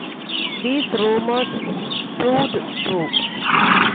These rumors proved true.